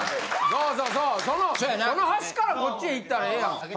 そうそうその端からこっちへ行ったらええやん。